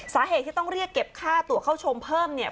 สาเหตุที่ต้องเรียกเก็บค่าตัวเข้าชมเพิ่มเนี่ย